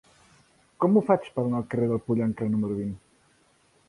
Com ho faig per anar al carrer del Pollancre número vint?